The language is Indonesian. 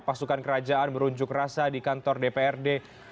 pasukan kerajaan berunjuk rasa di kantor dprd